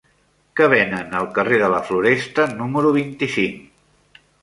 Què venen al carrer de la Floresta número vint-i-cinc?